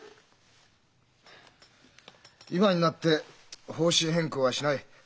今になって方針変更はしない。